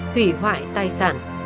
hủy hoại tài sản